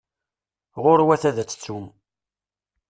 Ɣuṛwet ad aɣ-tettum!